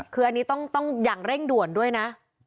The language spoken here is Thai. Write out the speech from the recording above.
คืออันนี้ต้องอย่างเร่งด่วนด้วยนะ